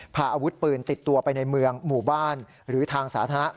พาอาวุธปืนติดตัวไปในเมืองหมู่บ้านหรือทางสาธารณะ